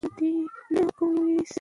د پښتو کره کول مهم دي